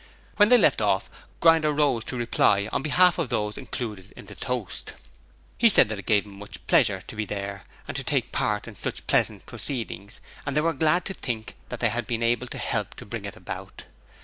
When they left off, Grinder rose to reply on behalf of those included in the toast. He said that it gave them much pleasure to be there and take part in such pleasant proceedings and they were glad to think that they had been able to help to bring it about.